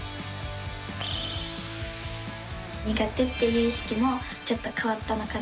苦手っていう意識もちょっと変わったのかなと。